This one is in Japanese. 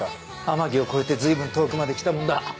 天城を越えて随分遠くまで来たもんだ。